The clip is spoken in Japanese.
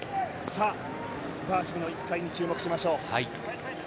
バーシムの１回目、注目しましょう。